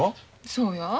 そうや。